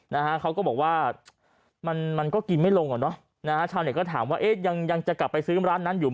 นะฮะก็บอกว่ามันก็กินไม่ลงอ่ะเนอะชาวนี้ก็ถามว่าเอ๊ยยังจะกลับซื้อร้านนั้นโดยไหม